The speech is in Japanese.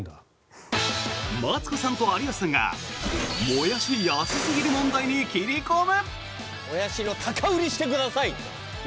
マツコさんと有吉さんがモヤシ安すぎる問題に切り込む！